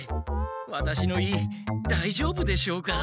ワタシの胃だいじょうぶでしょうか？